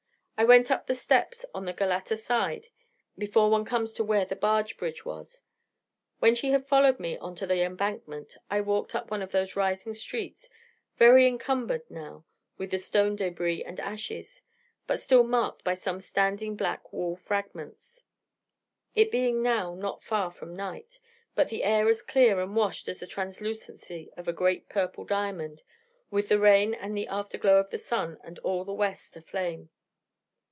I went up the steps on the Galata side before one comes to where the barge bridge was. When she had followed me on to the embankment, I walked up one of those rising streets, very encumbered now with stone débris and ashes, but still marked by some standing black wall fragments, it being now not far from night, but the air as clear and washed as the translucency of a great purple diamond with the rain and the afterglow of the sun, and all the west aflame.